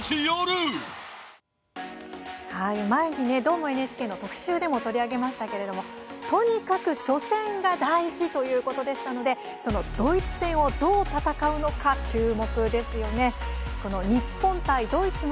前に「どーも、ＮＨＫ」の特集でも取り上げましたけれどもとにかく、初戦が大事ということですのでこのドイツ戦、どう戦うのか注目したいと思います。